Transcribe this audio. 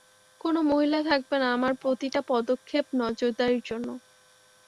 কোনো মহিলা থাকবে না আমাদের প্রতিটা পদক্ষেপ নজরদারির জন্য।